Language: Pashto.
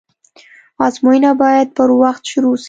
آزموينه بايد پر وخت شروع سي.